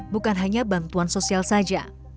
bukan hanya bantuan sosial saja